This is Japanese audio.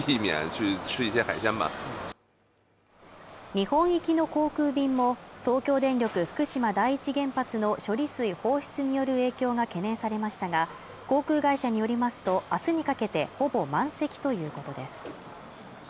日本行きの航空便も東京電力福島第一原発の処理水放出による影響が懸念されましたが航空会社によりますとあすにかけてほぼ満席ということです